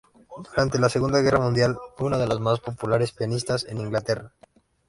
Durante la Segunda Guerra Mundial, fue una de las más populares pianistas en Inglaterra.